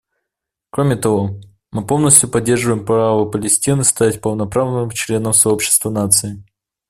Кроме того, мы полностью поддерживаем право Палестины стать полноправным членом сообщества наций.